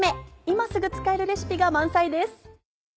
今すぐ使えるレシピが満載です。